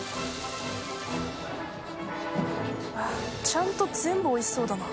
ちゃんと全部おいしそうだな。